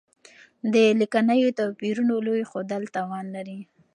د ليکنيو توپيرونو لوی ښودل تاوان لري.